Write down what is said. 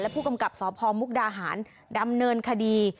ผู้กำกับสพมุกดาหารดำเนินคดี